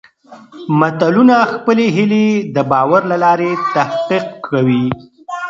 ملتونه خپلې هېلې د باور له لارې تحقق کوي.